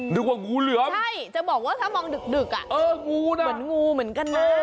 นึกว่างูเหลือมใช่จะบอกว่าถ้ามองดึกอ่ะเอองูน่ะเหมือนงูเหมือนกันนะ